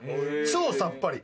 超さっぱり。